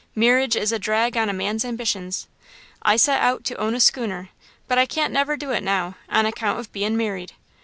Merriage is a drag on a man's ambitions. I set out to own a schooner, but I can't never do it now, on account of bein' merried.